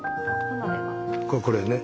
これね。